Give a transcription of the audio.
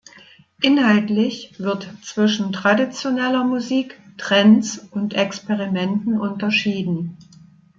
Inhaltlich wird zwischen "traditioneller" Musik, "Trends" und "Experimenten" unterschieden.